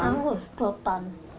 anggap sudah tahan